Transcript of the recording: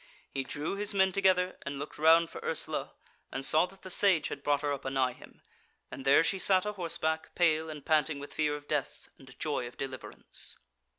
He drew his men together and looked round for Ursula, and saw that the Sage had brought her up anigh him, and there she sat a horseback, pale and panting with the fear of death and joy of deliverance.